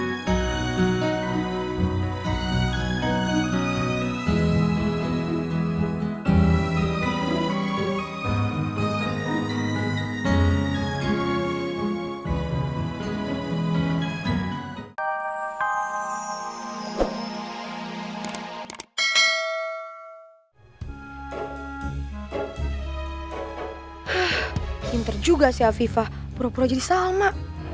huff pinter juga si afifah pura pura jadi salma